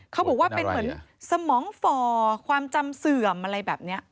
เขาบอกว่าเป็นเหมือนสมองฝ่อความจำเสื่อมอะไรแบบนี้